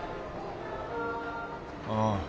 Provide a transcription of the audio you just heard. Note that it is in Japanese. ああ。